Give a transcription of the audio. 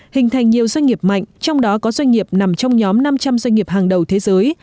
hình thành nhiều doanh nghiệp mạnh trong đó có doanh nghiệp nằm trong nhóm năm trăm linh doanh nghiệp hàng đầu thế giới